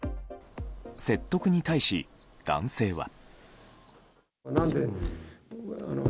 説得に対し、男性は。